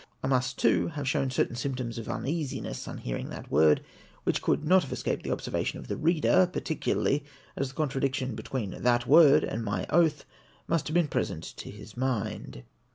I must, too, have shown certain symptoms of uneasiness on hearing that word, which could not have escaped the observation of the reader, particularly as the contradiction between that word and my oath must have been present to his mind.